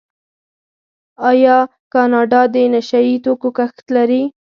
آیا کاناډا د نشه یي توکو کښت لري؟